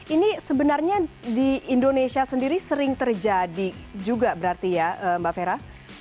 ini sebenarnya di indonesia sendiri sering terjadi juga berarti ya mbak fera